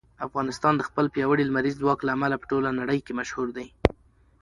افغانستان د خپل پیاوړي لمریز ځواک له امله په ټوله نړۍ کې مشهور دی.